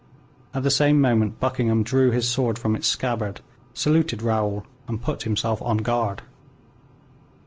At the same moment Buckingham drew his sword from its scabbard, saluted Raoul, and put himself on guard.